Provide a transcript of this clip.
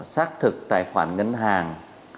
xác thực tài khoản ngân hàng